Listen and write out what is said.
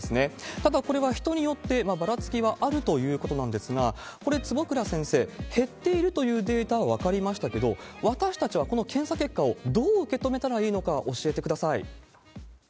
ただ、これは人によってばらつきはあるということなんですが、これ、坪倉先生、減っているというデータは分かりましたけど、私たちはこの検査結果をどう受け止めたらいいのか、教えてください。